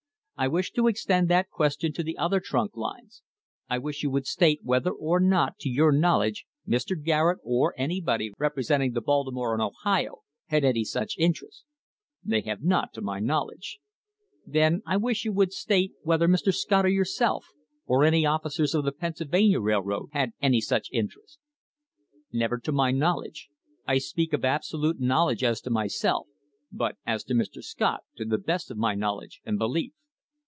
I wish to extend that question to the other trunk lines. I wish you would state whether or not to your knowledge Mr. Garrett, or any body representing the Baltimore and Ohio, had any such interest ?" "They have not to my knowledge." "Then I wish you would state whether Mr. Scott or yourself, or any other officers of the Pennsylvania Railroad Company, had any such interest ?" "Never to my knowledge. I speak of absolute knowledge as to myself, but as to Mr. Scott to the best of my knowledge and belief."